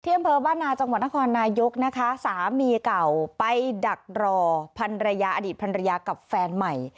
ที่อำเภอบ้านนาจังหวัดนครนายุกสามีเก่าไปดักรออดีตพรรณรยากับแฟนใหม่